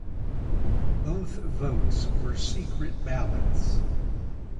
Both votes were secret ballots.